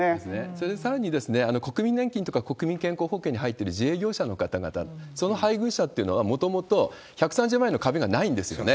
それでさらに、国民年金とか国民健康保険に入っている自営業者の方々、その配偶者っていうのはもともと１３０万円の壁がないんですよね。